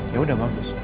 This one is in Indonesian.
ya udah bagus